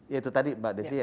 ya itu tadi mbak desy ya